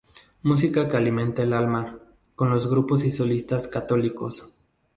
Música que alimenta el alma, con los grupos y solistas católicos.